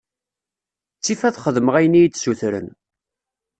Ttif ad xedmeɣ ayen iyi-d-ssutren.